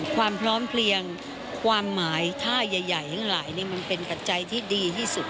ความพร้อมเพลียงความหมายท่าใหญ่ทั้งหลายนี่มันเป็นปัจจัยที่ดีที่สุด